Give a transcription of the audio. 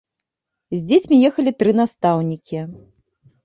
З дзецьмі ехалі тры настаўнікі.